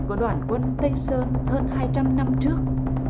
của đoàn quân tây sơn hơn hai trăm linh năm trước